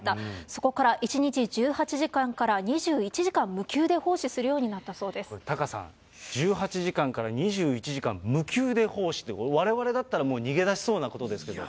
そこから１日１８時間から２１時間無給で奉仕するようになったそこれ、タカさん、１８時間から２１時間、無給で奉仕って、われわれだったら、もう逃げ出しそうなことですけど。